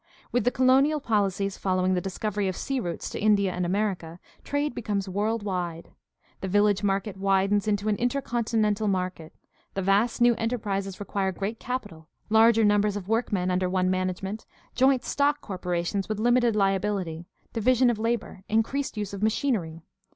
— With the colonial policies following the discovery of sea routes to India and America trade becomes world wide; the village market widens into an intercontinental market; the vast new enterprises require greater capital, larger numbers of workmen under one management, joint stock corporations with limited liability, division of labor, increased use of machinery.